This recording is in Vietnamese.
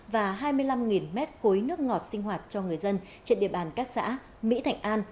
và hai mươi năm mét khối nước ngọt sinh hoạt cho người dân trên địa bàn các xã mỹ thạnh an